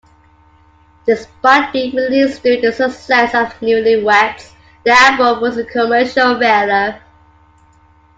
Despite being released during the success of "Newlyweds", the album was a commercial failure.